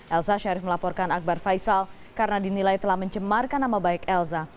elsa sharif melaporkan akbar faisal karena dinilai telah mencemarkan nama baik elza